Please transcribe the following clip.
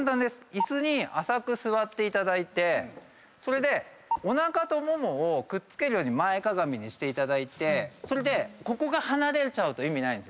椅子に浅く座っていただいてそれでおなかとももをくっつけるように前かがみにしていただいてそれでここが離れちゃうと意味ない。